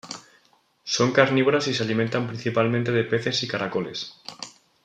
Son carnívoras y se alimentan principalmente de peces y caracoles.